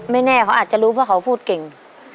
แน่เขาอาจจะรู้ว่าเขาพูดเก่ง